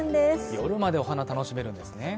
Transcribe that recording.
夜までお花、楽しめるんですね。